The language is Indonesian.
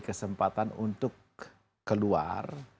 kesempatan untuk keluar